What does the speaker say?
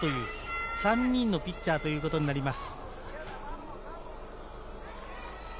３人のピッチャーということになります。